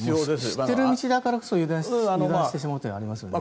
知ってる道だからこそ油断してしまうということがありますよね。